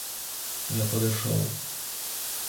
Я подошел.